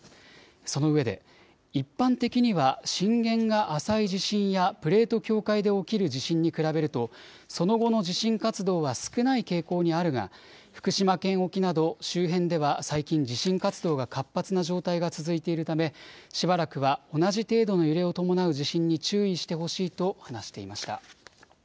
そのうえで一般的には震源が浅い地震やプレート境界で起きる地震に比べるとその後の地震活動は少ない傾向にあるが福島県沖など周辺では最近、地震活動が活発な状態が続いているため、しばらくは同じ程度の揺れを伴う地震に注意してほしいと話していました。